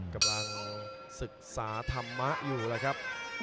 กำลังศึกษาธรรมะอยู่แล้วครับ